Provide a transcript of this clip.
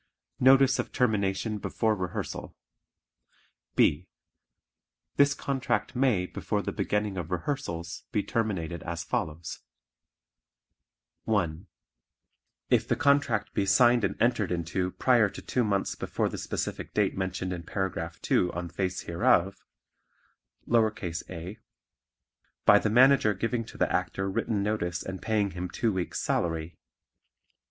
Notice of Termination Before Rehearsal B. This contract may before the beginning of rehearsals be terminated as follows: (1) If the contract be signed and entered into prior to two months before the specific date mentioned in Paragraph 2 on face hereof; (a) By the Manager giving to the Actor written notice and paying him two weeks' salary.